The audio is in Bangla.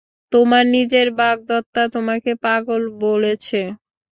তোমার নিজের বাগদত্তা তোমাকে পাগল বলেছে।